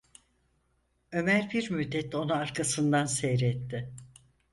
Ömer bir müddet onu arkasından seyretti.